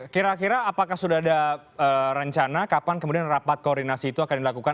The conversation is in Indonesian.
kira kira apakah sudah ada rencana kapan kemudian rapat koordinasi itu akan dilakukan